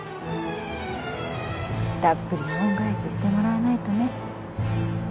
たっぷり恩返ししてもらわないとね。